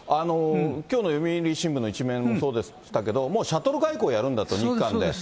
きょうの読売新聞の１面もそうでしたけど、もうシャトル外交やるんだと、日韓で。